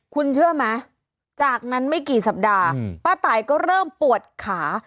คุณเชื่อไหมจากนั้นไม่กี่สัปดาห์ป้าตายก็เริ่มปวดขา